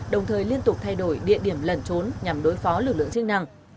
đồng thời liên tục thay đổi địa điểm lẩn trốn nhằm đối phó lực lượng chức năng